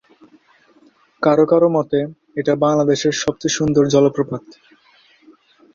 কারো কারো মতে এটা বাংলাদেশের সবচেয়ে সুন্দর জলপ্রপাত।